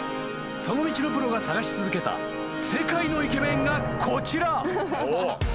その道のプロが探し続けた世界のイケメンがこちら］